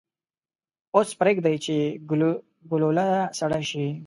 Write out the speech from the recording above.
اوس پریږدئ چې ګلوله سړه شي.